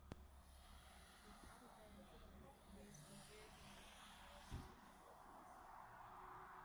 The out-of-band signaling used in the European E-carrier system avoids this.